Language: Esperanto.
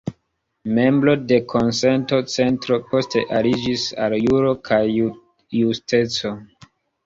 Membro de Konsento-Centro, poste aliĝis al Juro kaj Justeco.